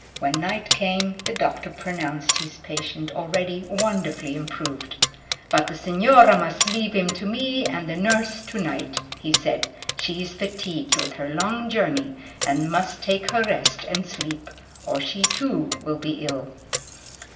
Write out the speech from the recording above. When night came the doctor pronounced his patient already wonderfully improved. "But the signora must leave him to me and the nurse to night," he said; "she is fatigued with her long journey and must take her rest and sleep, or she too will be ill."